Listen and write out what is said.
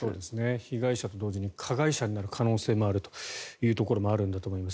被害者と同時に加害者になる可能性もあるというところもあるんだと思います。